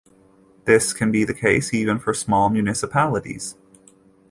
This can be the case even for small municipalities.